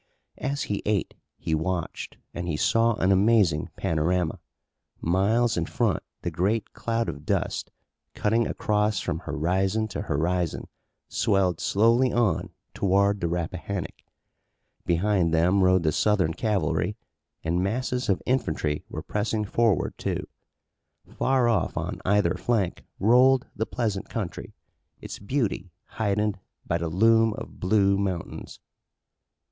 As he ate he watched and he saw an amazing panorama. Miles in front the great cloud of dust, cutting across from horizon to horizon swelled slowly on toward the Rappahannock. Behind them rode the Southern cavalry and masses of infantry were pressing forward, too. Far off on either flank rolled the pleasant country, its beauty heightened by the loom of blue mountains.